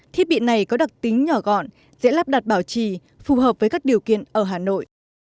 thiết bị này có đặc tính nhỏ gọn dễ lắp đặt bảo trì phù hợp với các điều kiện ở hà nội